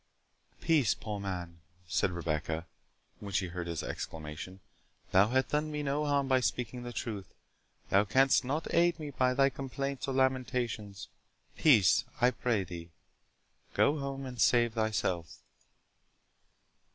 "Peace, poor man," said Rebecca, when she heard his exclamation; "thou hast done me no harm by speaking the truth—thou canst not aid me by thy complaints or lamentations. Peace, I pray thee—go home and save thyself."